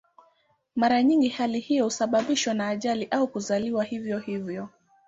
Mara nyingi hali hiyo husababishwa na ajali au kuzaliwa hivyo hivyo.